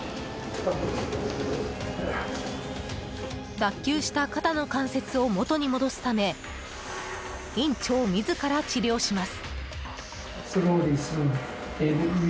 脱臼した肩の関節を元に戻すため院長自ら治療します。